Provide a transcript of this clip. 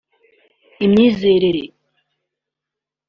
imyizerere